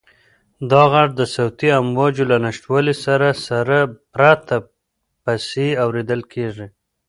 دا غږ د صوتي امواجو له نشتوالي سره سره پرله پسې اورېدل کېږي.